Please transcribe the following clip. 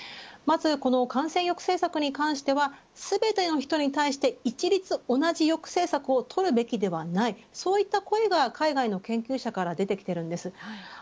まず感染抑制策に関しては全ての人に対して一律同じ抑制策をとるべきではないそういった声が、海外の研究者から出てきています。